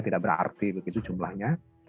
tidak berarti begitu jumlahnya